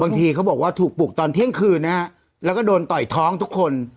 เขาบอกว่าถูกปลุกตอนเที่ยงคืนนะฮะแล้วก็โดนต่อยท้องทุกคน